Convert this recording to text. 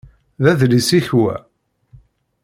D adlis-ik wa?